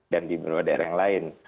dan di beberapa daerah yang lain